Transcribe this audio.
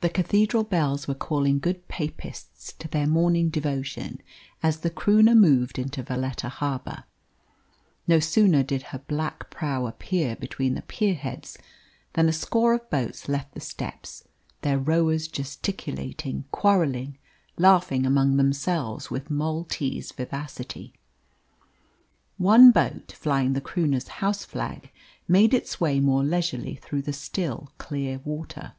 The cathedral bells were calling good Papists to their morning devotion as the Croonah moved into Valetta harbour. No sooner did her black prow appear between the pier heads than a score of boats left the steps, their rowers gesticulating, quarrelling, laughing among themselves with Maltese vivacity. One boat, flying the Croonah's houseflag, made its way more leisurely through the still, clear water.